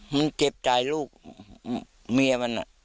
มันเจ็บใจลูกเมียมัน